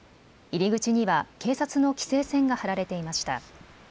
入り口には警察の規制線が張られていました。